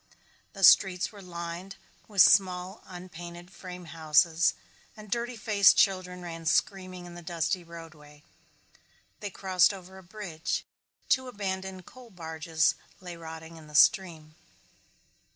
The streets were lined with small unpainted frame houses and dirty faced children ran screaming in the dusty roadway. They crossed over a bridge. Two abandoned coal barges lay rotting in the stream.